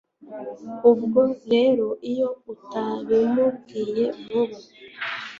ubwo rero iyo utabimubwiye vuba